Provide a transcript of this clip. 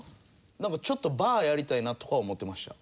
なんかちょっとバーやりたいなとかは思ってました。